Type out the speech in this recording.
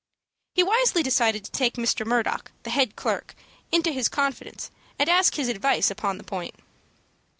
He wisely decided to take Mr. Murdock, the head clerk, into his confidence, and ask his advice upon this point.